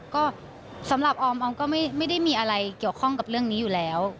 ก็สำหรับออมออมก็ไม่ได้มีอะไรเกี่ยวข้องกับเรื่องนี้อยู่แล้ว